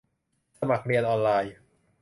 สมัครเรียนออนไลน์